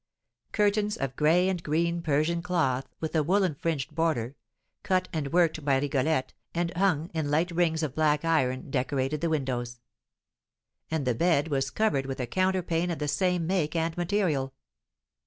Curtains of gray and green Persian cloth, with a woollen fringed border, cut and worked by Rigolette, and hung in light rings of black iron, decorated the windows; and the bed was covered with a counterpane of the same make and material.